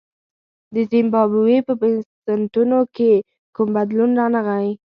د زیمبابوې په بنسټونو کې کوم بدلون رانغی.